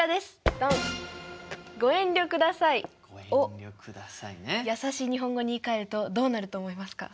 ドン。をやさしい日本語に言いかえるとどうなると思いますか？